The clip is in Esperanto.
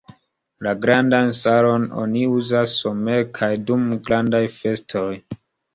La grandan salonon oni uzas somere kaj dum grandaj festoj.